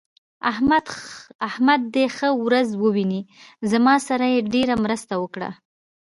احمد دې ښه ورځ وويني؛ زما سره يې ډېره مرسته وکړه.